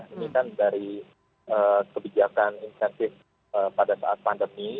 ini kan dari kebijakan insentif pada saat pandemi